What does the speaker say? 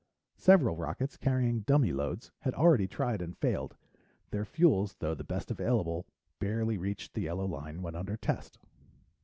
Several rockets, carrying dummy loads, had already tried and failed: their fuels, though the best available, barely reached the yellow line when under test.